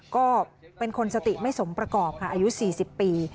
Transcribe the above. ก็เป็นคนสติไม่สมประกอบค่ะอายุ๔๐ปี